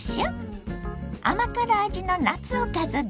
甘辛味の夏おかずです。